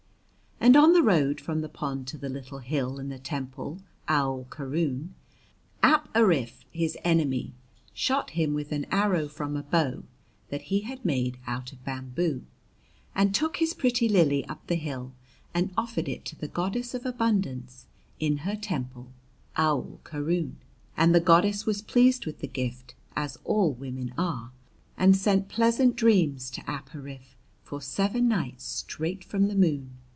And on the road from the pond to the little hill and the temple Aoul Keroon, Ap Ariph, his enemy, shot him with an arrow from a bow that he had made out of bamboo, and took his pretty lily up the hill and offered it to the Goddess of Abundance in her temple Aoul Keroon. And the Goddess was pleased with the gift, as all women are, and sent pleasant dreams to Ap Ariph for seven nights straight from the moon.